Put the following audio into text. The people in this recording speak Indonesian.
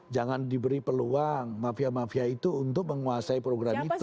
jangan diberi peluang mafia mafia itu untuk menguasai program itu